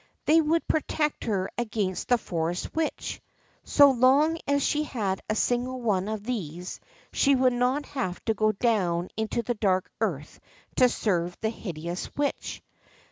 They would protect her against the Forest Witch. So long as she had a single one of these, she would not have to go doAvn into the dark earth to serve the hideous Witch.